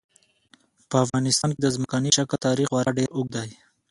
په افغانستان کې د ځمکني شکل تاریخ خورا ډېر اوږد دی.